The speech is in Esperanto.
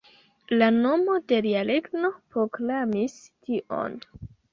La nomo de lia regno proklamis tion.